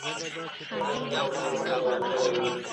هغې خپله پرېکړه بدله کړې ده.